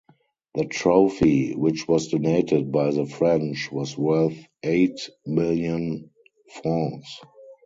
The trophy, which was donated by the French, was worth eight million francs.